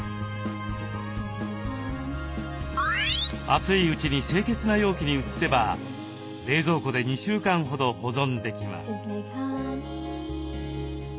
熱いうちに清潔な容器に移せば冷蔵庫で２週間ほど保存できます。